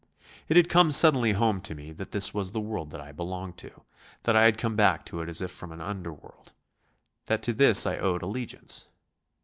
It had come suddenly home to me that this was the world that I belonged to; that I had come back to it as if from an under world; that to this I owed allegiance.